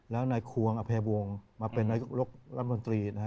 แล้วนายขวงอภวนมาเป็นนักยกรกรัมน์ตรีนะฮะ